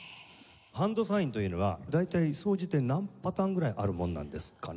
ハンドサインというのは大体総じて何パターンぐらいあるものなんですかね？